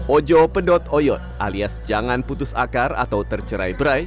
ojo pedot oyot alias jangan putus akar atau tercerai berai